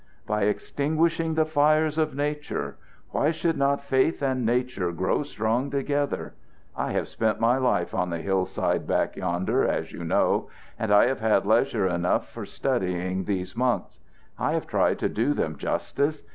"By extinguishing the fires of nature! Why should not faith and nature grow strong together? I have spent my life on the hill side back yonder, as you know, and I have had leisure enough for studying these monks. I have tried to do them justice.